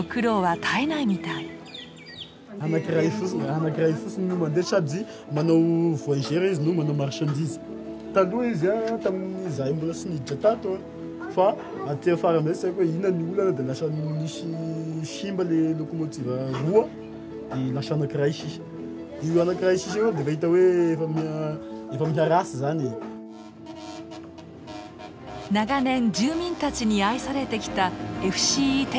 長年住民たちに愛されてきたＦＣＥ鉄道。